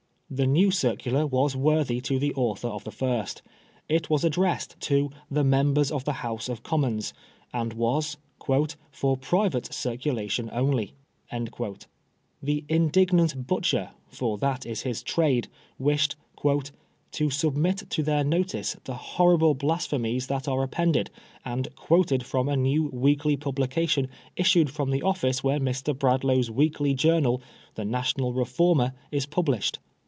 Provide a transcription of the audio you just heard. The new circular was worthy of the author of the first. It was addressed " To the Members of the House of Commons," and was " for private circulation only." The indignant butcher, for that is his trade, wished " to submit to their notice the horrible blas phemies that are appended, and quoted from a new weekly publication issued from the office where Mr. Bradlaugh's weekly journal, t\iQ National Beformer^i^ published.